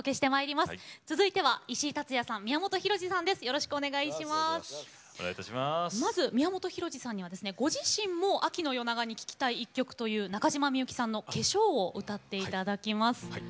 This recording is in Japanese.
まず宮本浩次さんにはご自身も秋の夜長に聴きたい１曲という中島みゆきさんの「化粧」を歌っていただきます。